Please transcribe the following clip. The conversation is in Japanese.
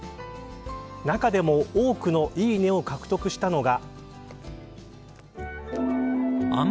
中でも、多くのいいねを獲得したのが。